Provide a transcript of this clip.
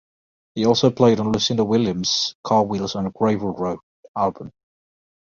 He also played on Lucinda Williams's "Car Wheels on a Gravel Road" album.